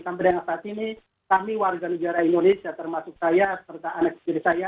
sampai dengan saat ini kami warga negara indonesia termasuk saya serta anak istri saya